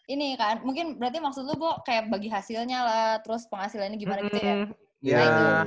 ini kan mungkin maksud lo kayak bagi hasilnya lah terus penghasilannya gimana gitu ya